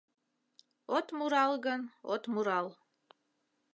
От мурал гын, от мурал